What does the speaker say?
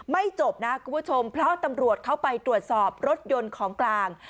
จบนะคุณผู้ชมเพราะตำรวจเข้าไปตรวจสอบรถยนต์ของกลาง